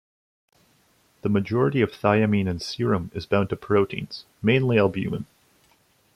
The majority of thiamine in serum is bound to proteins, mainly albumin.